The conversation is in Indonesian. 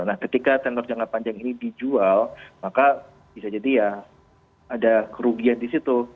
nah ketika tenor jangka panjang ini dijual maka bisa jadi ya ada kerugian disitu